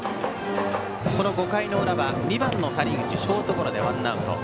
この５回の裏、２番の谷口はショートゴロでワンアウト。